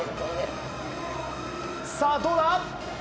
さあ、どうだ。